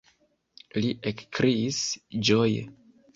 li ekkriis ĝoje.